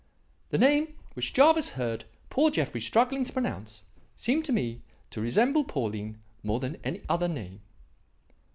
"The name which Jervis heard poor Jeffrey struggling to pronounce seemed to me to resemble Pauline more than any other name."